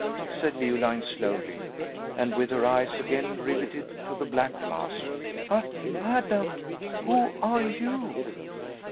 said Leoline, slowly, and with her eyes again riveted to the black mask. "But; madame, who are you?"